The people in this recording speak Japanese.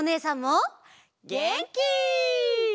げんき！